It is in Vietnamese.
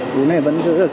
bữa nay vẫn dùng để ăn